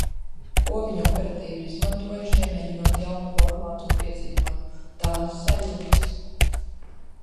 Ko viņi operatīvi ir izmantojuši, iemēģinot jaunu formātu un piedzīvojumu. Tādas sajūtas.